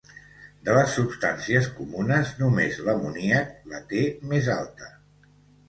De les substàncies comunes només l'amoníac la té més alta.